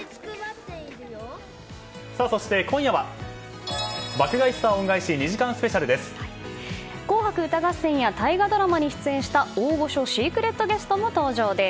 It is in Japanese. そして今夜は「爆買い☆スター恩返し」「紅白歌合戦」や大河ドラマに出演した大御所シークレットゲストも登場です。